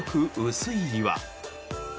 薄い岩。